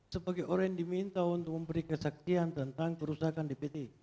sebagai orang yang diminta untuk memberi kesaksian tentang kerusakan dpt